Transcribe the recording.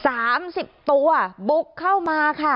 ช้างป่าไม่ได้มากันน้อยมาเป็นโขลง๓๐ตัวบุกเข้ามาค่ะ